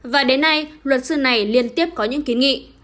và đến nay luật sư này liên tiếp có những kiến nghị